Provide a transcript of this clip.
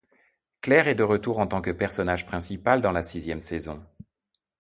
Claire est de retour en tant que personnage principal dans la sixième saison.